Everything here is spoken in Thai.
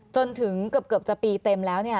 จนถึงเกือบจะปีเต็มแล้ว